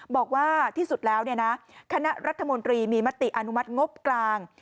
บอกว่าที่สุดแล้วคณะรัฐมนตรีมีมติอนุมัติงบกลาง